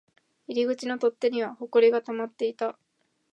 入り口の取っ手には埃が溜まっていた